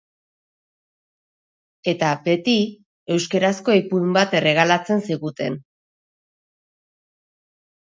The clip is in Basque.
Eta, beti, euskarazko ipuin bat erregalatzen ziguten.